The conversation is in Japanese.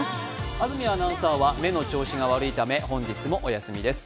安住アナウンサーは目の調子が悪いため本日もお休みです。